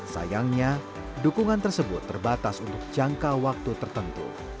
sayangnya dukungan tersebut terbatas untuk jangka waktu tertentu